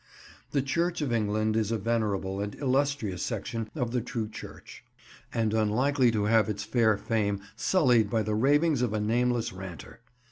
The Church of England is a venerable and illustrious section of the true Church, and unlikely to have its fair fame sullied by the ravings of a nameless ranter.